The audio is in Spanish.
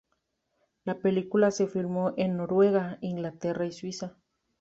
La película se filmó en Noruega, Inglaterra y Suiza.